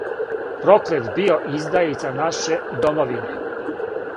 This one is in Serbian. Проклет био издајица наше домовине!